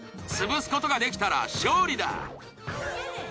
潰すことができたら勝利だ。